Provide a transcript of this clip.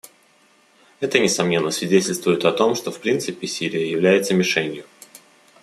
Это, несомненно, свидетельствует о том, что в принципе Сирия является мишенью.